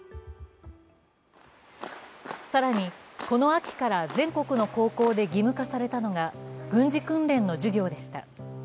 更にこの秋から全国の高校で義務化されたのが軍事訓練の授業でした。